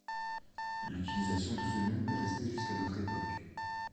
L'utilisation de ce nom est resté jusqu'à notre époque.